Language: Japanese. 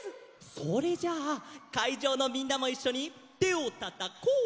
それじゃあかいじょうのみんなもいっしょに「てをたたこ」！